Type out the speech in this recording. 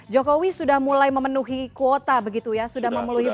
jokowi sudah mulai memenuhi kuota begitu ya sudah memenuhi target